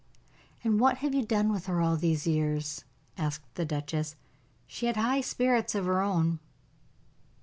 "And what have you done with her all these years?" asked the duchess. "She had high spirits of her own."